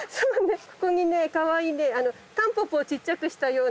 ここにねかわいいねタンポポをちっちゃくしたようなね